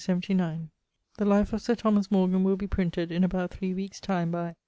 The life of Sir Thomas Morgan will be printed in about three weekes time by....